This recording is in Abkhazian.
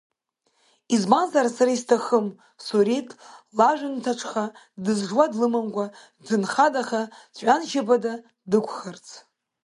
Избанзар, сара исҭахым Суреҭ лажәынҭаҽха дызжуа длымамкәа, дҭынхадаха, ҵәҩаншьапыда дықәхарц.